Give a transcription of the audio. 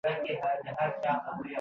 په روسي خاوره کې واده وکړ.